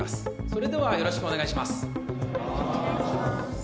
それではよろしくお願いします